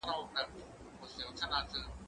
زه کولای سم مکتب ته لاړ شم!؟